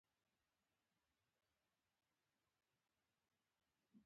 حق د انسان د فطرت برخه ده.